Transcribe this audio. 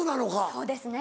そうですね。